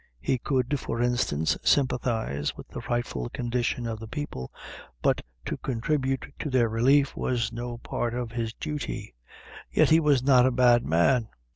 He could, for instance, sympathize with the frightful condition of the people but to contribute to their relief was no part of his duty. Yet he was not a bad man.